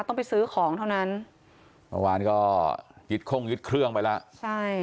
ต้องไปซื้อของเท่านั้นเมื่อวานก็ยึดโค้งยึดเครื่องไปแล้วใช่